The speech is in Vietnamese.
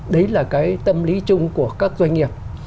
đấy là cái tâm lý chung của các doanh nghiệp